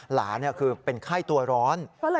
หลานคือเป็นไข้ตัวร้อน